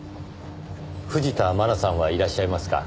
藤田真奈さんはいらっしゃいますか？